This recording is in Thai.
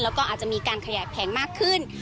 แล้วก็อาจจะมีการขยายแผงมากขึ้น